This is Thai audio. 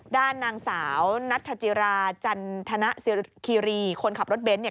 ด้านนางสาวนัทธจิราจันทนสิริคีรีคนขับรถเบนท์เนี่ย